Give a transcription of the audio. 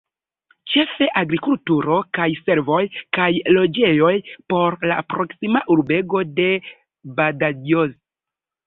Ĉefe agrikulturo kaj servoj kaj loĝejoj por la proksima urbego de Badajoz.